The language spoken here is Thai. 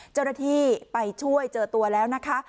เจ้าหน้าที่ไปช่วยเจอตัวแล้วนะคะ